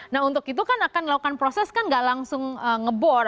nah untuk itu kan akan melakukan proses kan gak langsung ngebor